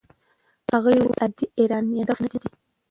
هغه وویل عادي ایرانیان هدف نه دي.